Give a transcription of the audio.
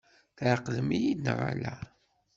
Tɛeqlemt-iyi-d neɣ ala?